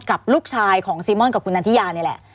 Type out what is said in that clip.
กับลูกชายของซีม่อนกับคุณนันทิยานี่แหละ